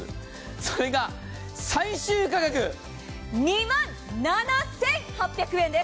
それが最終価格２万７８００円です。